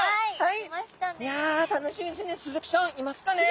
いや楽しみですね。